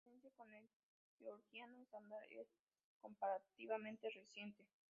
La diferenciación con el georgiano estándar es comparativamente reciente.